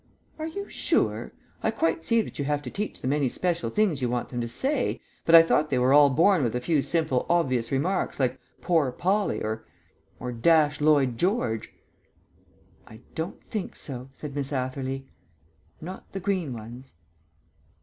"Are you sure? I quite see that you have to teach them any special things you want them to say, but I thought they were all born with a few simple obvious remarks, like 'Poor Polly,' or or 'Dash Lloyd George.'" "I don't think so," said Miss Atherley. "Not the green ones."